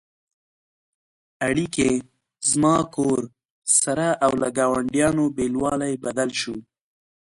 اړیکې «زما کور» سره او له ګاونډیانو بېلوالی بدل شو.